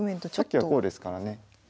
さっきはこうですからね。